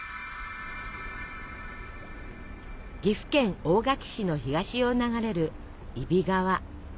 岐阜県大垣市の東を流れる揖斐川。